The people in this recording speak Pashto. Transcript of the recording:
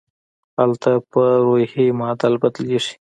هلته پر روحي معادل بدلېږي.